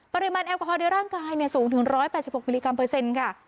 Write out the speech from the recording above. ปริมาณแอลกอฮอลในร่างกายสูงถึง๑๘๖มิลลิกรัมเปอร์เซ็นต์ค่ะ